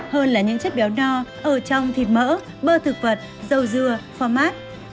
hơn là những chất béo no ở trong thịt mỡ bơ thực vật dầu dừa format